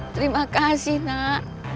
terima kasih nak